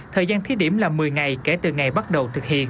thời gian thí điểm là một mươi ngày kể từ ngày bắt đầu thực hiện